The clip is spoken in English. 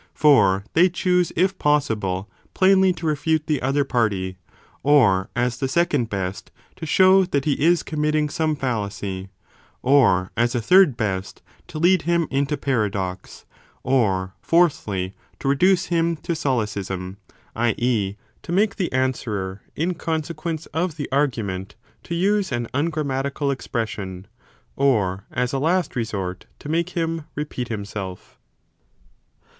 For they choose if possible plainly to refute the other party, or as the second best to show that he is committing some fallacy, or as a third best to lead him into paradox, or fourthly to reduce him to solecism, i. e. to make the answerer, in consequence 20 of the argument, to use an ungrammatical expression ; or, as a last resort, to make him repeat himself.